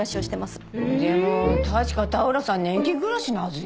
でも確か田浦さん年金暮らしのはずよ。